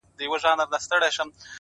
دا موسیقي نه ده جانانه. دا سرگم نه دی.